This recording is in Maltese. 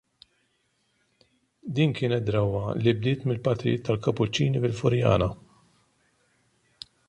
Din kienet drawwa li bdiet mill-Patrijiet tal-Kapuċċini fil-Furjana.